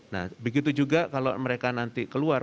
nah begitu juga kalau mereka nanti keluar